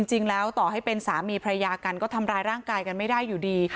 จริงแล้วต่อให้เป็นสามีภรรยากันก็ทำร้ายร่างกายกันไม่ได้อยู่ดี